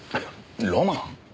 ロマン？